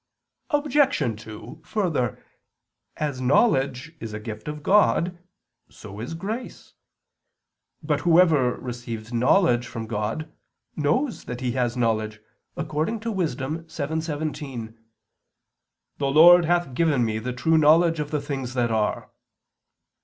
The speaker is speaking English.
Obj. 2: Further, as knowledge is a gift of God, so is grace. But whoever receives knowledge from God, knows that he has knowledge, according to Wis. 7:17: The Lord "hath given me the true knowledge of the things that are."